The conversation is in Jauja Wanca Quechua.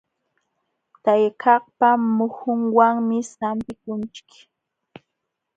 Tayakaqpa muhunwanmi sampikunchik.